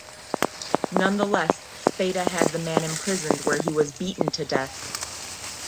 Nonetheless, Spada had the man imprisoned where he was beaten to death.